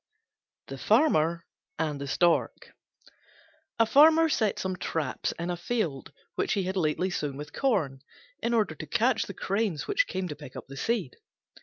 THE FARMER AND THE STORK A Farmer set some traps in a field which he had lately sown with corn, in order to catch the cranes which came to pick up the seed.